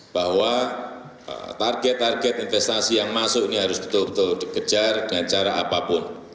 bahwa target target investasi yang masuk ini harus betul betul dikejar dengan cara apapun